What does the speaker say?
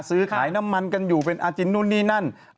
ซื้อขายน้ำมันกันอยู่เป็นอาจินนู่นนี่นั่น